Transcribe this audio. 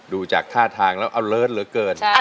ดูจากท่าทางแล้วเยอะเกิน